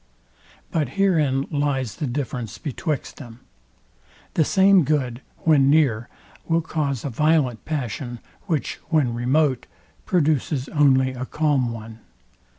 But herein lies the difference betwixt them: The same good, when near, will cause a violent passion, which, when remote, produces only a calm one.